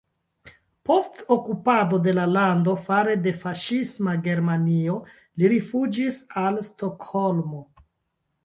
Post okupado de la lando fare de faŝisma Germanio li rifuĝis al Stokholmo.